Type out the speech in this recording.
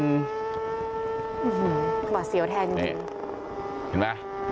หมัดเสี่ยวแทนจริง